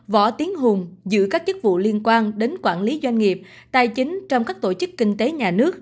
võ tiến hùng giữ các chức vụ liên quan đến quản lý doanh nghiệp tài chính trong các tổ chức kinh tế nhà nước